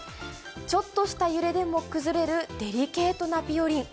ちょっとした揺れでも崩れるデリケートなぴよりん。